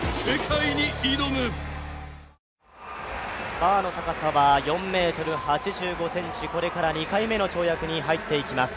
バーの高さは４ｍ８５ｃｍこれから２回目の跳躍に入っていきます。